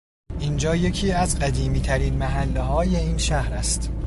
اینجا یکی از قدیمیترین محلههای این شهر است